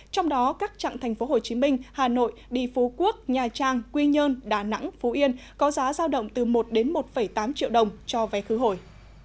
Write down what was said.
trong đó các trạng tp hcm hà nội địa phố quốc nhà trang quy nhơn đà nẵng phú yên có giá giao động từ một một tám triệu đồng cho vé khứ hồi